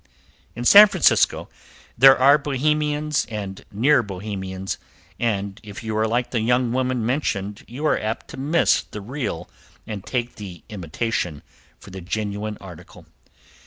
In San Francisco there are Bohemians and Near Bohemians, and if you are like the young woman mentioned you are apt to miss the real and take the imitation for the genuine article.